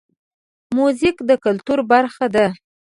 موزیک د کلتور برخه ده.